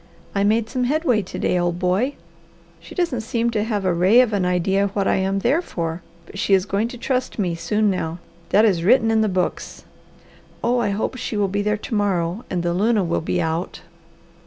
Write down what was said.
I made some headway to day, old boy. She doesn't seem to have a ray of an idea what I am there for, but she is going to trust me soon now; that is written in the books. Oh I hope she will be there to morrow, and the luna will be out.